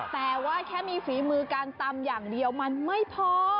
แต่ว่าแค่มีฝีมือการตำอย่างเดียวมันไม่พอ